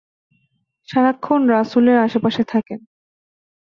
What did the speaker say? সারাক্ষণ রাসূলের আশেপাশে থাকেন।